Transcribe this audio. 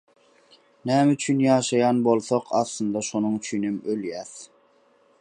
Näme üçin ýaşaýan bolsak aslynda şonuň üçinem ölýäs.